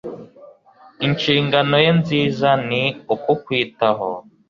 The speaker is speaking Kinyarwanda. Inshingano ye nziza ni ukutwitaho